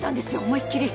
思いっ切り。